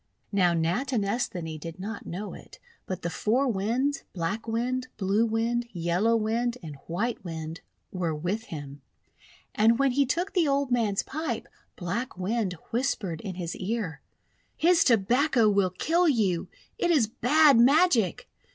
Now Natinesthani did not know it, but the Four Winds — Black Wind, Blue Wind, Yellow Wind, and White Wind — were with him. And when he took the old man's pipe, Black Wind whispered in his ear: — 'His Tobacco will kill you! It is bad magic!